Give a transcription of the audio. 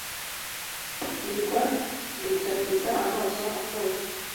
hirwa yicaye gusa amaso afunze.